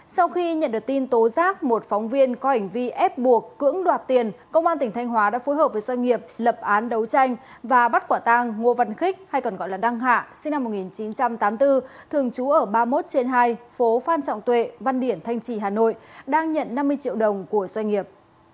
sau khi nhận được tin tố giác một phóng viên có hành vi ép buộc cưỡng đoạt tiền công an tỉnh thanh hóa đã phối hợp với doanh nghiệp lập án đấu tranh và bắt quả tăng ngô văn khích hay còn gọi là đăng hạ sinh năm một nghìn chín trăm tám mươi bốn thường trú ở ba mươi một trên hai phố phan trọng tuệ văn điển thanh trì hà nội đang nhận năm mươi triệu đồng của doanh nghiệp